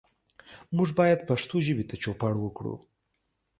موږ باید پښتو ژبې ته چوپړ وکړو.